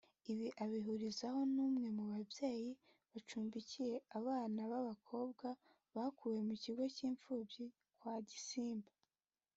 Ibi abihurizaho n’umwe mu babyeyi bacumbikiye abana b’abakobwa bakuwe mu kigo cy’imfubyi kwa Gisimba